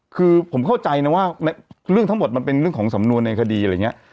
คือผมเข้าใจนะว่าเรื่องทั้งหมดมันเป็นเรื่องของสำนวนในคดี